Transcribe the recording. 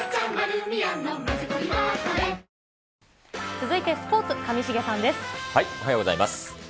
続いてスポーツ、上重さんでおはようございます。